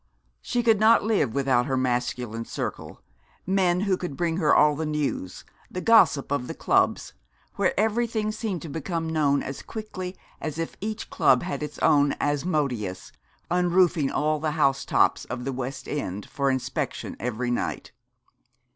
She could not live without her masculine circle, men who could bring her all the news, the gossip of the clubs; where everything seemed to become known as quickly as if each club had its own Asmodeus, unroofing all the housetops of the West End for inspection every night.